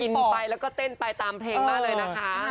ฉันอยากกินไปแล้วก็เต้นไปตามเพลงมาเลยนะคะ